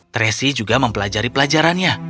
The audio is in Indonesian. tracy juga mempelajari pelajarannya